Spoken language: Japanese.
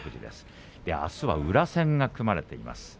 あすは宇良戦が組まれています。